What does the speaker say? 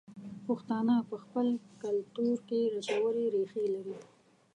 پښتانه په خپل کلتور کې ژورې ریښې لري.